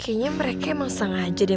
kayaknya mereka emang sang aja deh